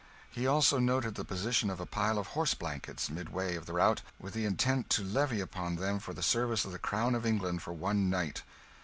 He also noted the position of a pile of horse blankets, midway of the route, with the intent to levy upon them for the service of the crown of England for one night.